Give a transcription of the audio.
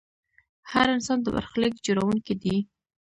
هر انسان د برخلیک جوړونکی دی.